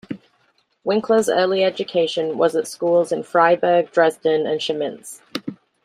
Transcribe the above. Winkler's early education was at schools in Freiberg, Dresden, and Chemnitz.